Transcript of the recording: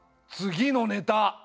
次のネタ。